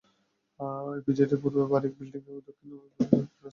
ইপিজেডের পূর্বে বারিক বিল্ডিং এবং দক্ষিণে সিমেন্ট ক্রসিং পর্যন্ত যানজটের বিস্তৃতি ঘটছে।